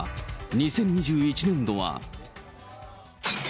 ２０２１年度は。